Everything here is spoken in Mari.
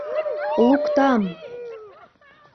Луктам!..